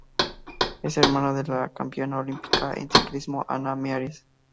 Es hermana de la campeona olímpica en ciclismo Anna Meares.